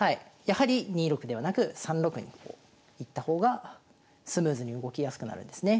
やはり２六ではなく３六に行った方がスムーズに動きやすくなるんですね。